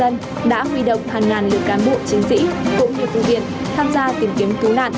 những năm hai nghìn hai mươi hai nghìn hai mươi một